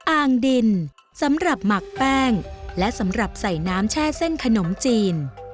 อ่างดินสำหรับหมักแป้งและสำหรับใส่น้ำแช่เส้นขนมจีน